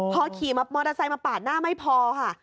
พอขี่มอเตอร์ไซค์มาปาดหน้าไม่พอค่ะ